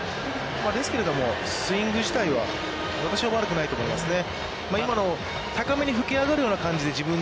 ですけれども、スイング自体は私は悪くないと思いますね。